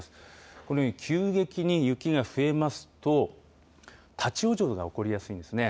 このように急激に雪が増えますと、立往生が起こりやすいんですね。